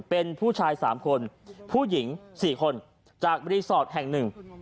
เป็นผู้ชาย๓คนผู้หญิง๔คนจากรีสอร์ทแห่งหนึ่ง